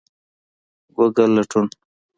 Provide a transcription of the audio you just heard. ګوګل لټون